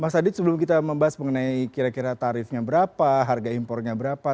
mas adit sebelum kita membahas mengenai kira kira tarifnya berapa harga impornya berapa